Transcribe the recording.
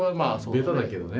ベタだけどね。